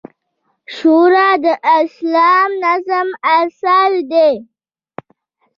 شورا د اسلامي نظام اصل دی